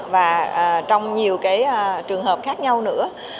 và trong nhiều trường hợp khác nhau nữa